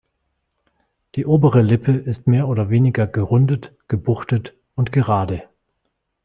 Die obere Lippe ist mehr oder weniger gerundet, gebuchtet und gerade.